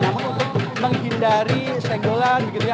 namun untuk menghindari senggolan begitu ya